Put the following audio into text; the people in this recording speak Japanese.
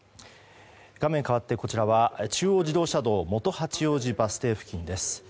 画面かわってこちらは中央自動車道元八王子バス停付近です。